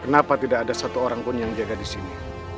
kenapa tidak ada satu orang pun yang jaga di sini